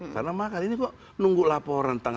karena makar ini kok nunggu laporan